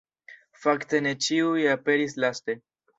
Fakte ne ĉiuj aperis laste.